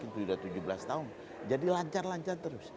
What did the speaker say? sudah tujuh belas tahun jadi lancar lancar terus